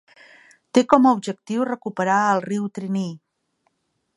Té com a objectiu recuperar el riu Triniy.